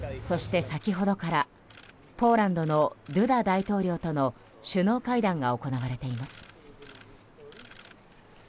そして先ほどからポーランドのドゥダ大統領との首脳会談が行われています。